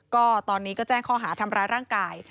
ก็ตอนนี้ก็แจ้งข้อหาทำร้ายร่างกาย